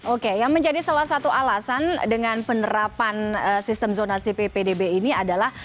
oke yang menjadi salah satu alasan dengan penerapan sistem zonasi ppdb ini adalah